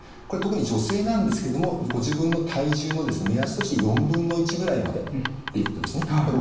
これ特に女性なんですけどもご自分の体重の目安として1/4ぐらいまでということですね。